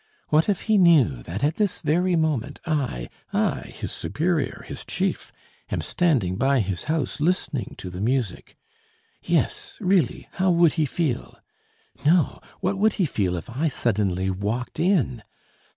What if he knew that at this very moment I, I, his superior, his chief, am standing by his house listening to the music? Yes, really how would he feel? No, what would he feel if I suddenly walked in?